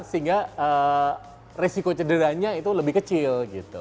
sehingga risiko cederanya itu lebih kecil